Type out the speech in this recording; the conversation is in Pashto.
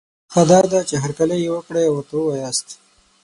ښه دا ده، چي هرکلی یې وکړی او ورته وواياست